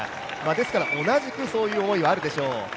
ですから同じくそういう思いはあるでしょう。